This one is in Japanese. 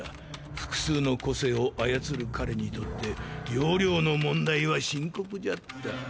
複数の個性を操る彼にとって容量の問題は深刻じゃった。